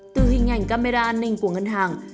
từ hình ảnh camera an ninh của ngân hàng